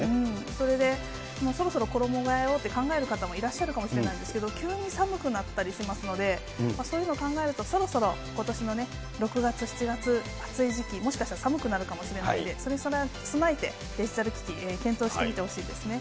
それで、もうそろそろ衣替えをって考える方もいらっしゃるかもしれないですけど、急に寒くなったりしますので、そういうのを考えると、そろそろことしの６月、７月、暑い時期、もしかしたら寒くなるかもしれないので、それに備えてデジタル機器、検討してみてほしいですね。